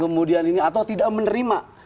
kemudian ini atau tidak menerima